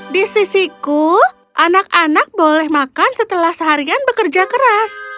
di sisiku anak anak boleh makan setelah seharian bekerja keras